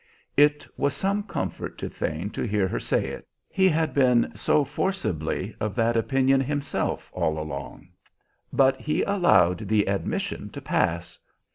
It was some comfort to Thane to hear her say it, he had been so forcibly of that opinion himself all along; but he allowed the admission to pass.